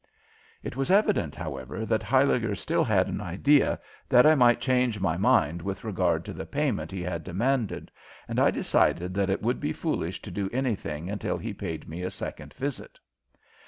It was evident, however, that Huyliger still had an idea that I might change my mind with regard to the payment he had demanded, and I decided that it would be foolish to do anything until he paid me a second visit.